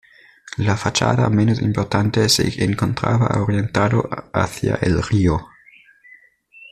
La fachada menos importante se encontraba orientada hacia el río.